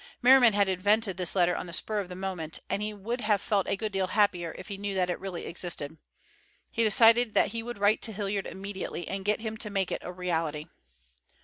Merriman had invented this letter on the spur of the moment and he would have felt a good deal happier if he knew that it really existed. He decided that he would write to Hilliard immediately and get him to make it a reality.